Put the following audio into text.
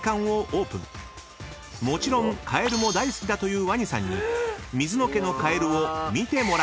［もちろんカエルも大好きだという鰐さんに水野家のカエルを見てもらいました］